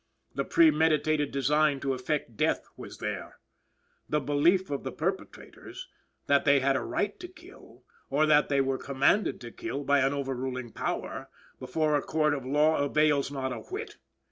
The premeditated design to effect death was there. The belief of the perpetrators, that they had a right to kill, or that they were commanded to kill by an overruling power, before a court of law avails not a whit.